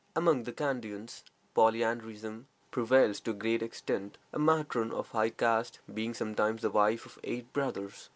Among the Kandians polyandrism prevails to a great extent, a matron of high caste being sometimes the wife of eight brothers.